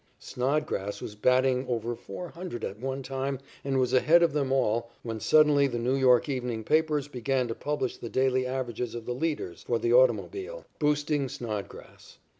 Snodgrass was batting over four hundred at one time and was ahead of them all when suddenly the New York evening papers began to publish the daily averages of the leaders for the automobile, boosting Snodgrass.